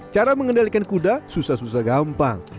cara mengendalikan kuda susah susah gampang